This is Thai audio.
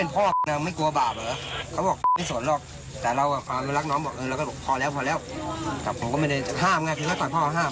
ผมก็ไม่ได้ห้ามไงคิดว่าต่อพ่อห้าม